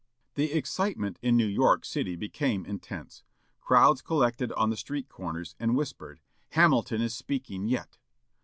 The excitement in New York city became intense. Crowds collected on the street corners, and whispered, "Hamilton is speaking yet!"